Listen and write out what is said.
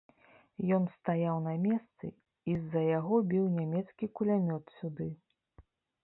Ён стаяў на месцы, і з-за яго біў нямецкі кулямёт сюды.